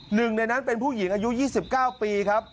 หนึ่งในนั้นเป็นผู้หญิงอายุ๒๙ปีครับ